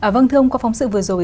vâng thưa ông qua phóng sự vừa rồi